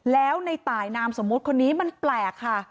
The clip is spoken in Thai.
แล้วในตายนามสมมุติคนนี้มันแปลกค่ะ